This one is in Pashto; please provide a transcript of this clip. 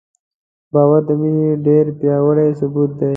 باور د مینې ډېر پیاوړی ثبوت دی.